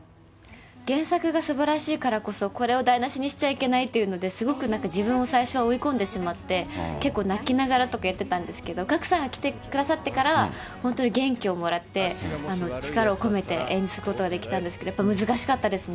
原作がすばらしいからこそ、これを台なしにしちゃいけないというので、すごくなんか自分を最初追い込んでしまって、結構泣きながらとかやってたんですけど、賀来さんが来てくださってから、本当に元気をもらって、力を込めて演じることができたんですけど、やっぱり難しかったですね。